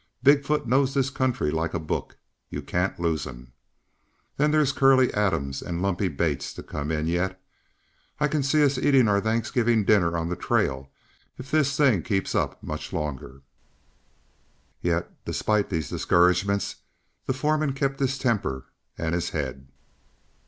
Big foot knows this country like a book. You can't lose him. Then there's Curley Adams and Lumpy Bates to come in yet. I can see us eating our Thanksgiving dinner on the trail if this thing keeps up much longer." Yet, despite these discouragements, the foreman kept his temper and his head.